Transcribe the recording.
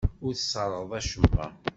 Ur tesserɣeḍ acemma.